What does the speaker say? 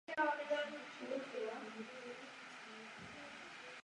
Pokrok Evropy směřující k naplnění těchto cílů se téměř zastavil.